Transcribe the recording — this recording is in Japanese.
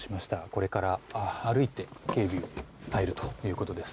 これから歩いて警備に入るということです。